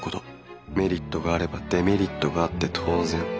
メリットがあればデメリットがあって当然。